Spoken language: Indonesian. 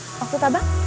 hah waktu apa